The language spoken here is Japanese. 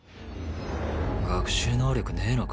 学習能力ねえのか？